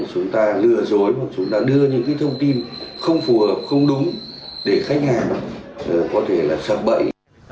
chúng ta lừa dối chúng ta đưa những thông tin không phù hợp không đúng để khách hàng có thể sắp bậy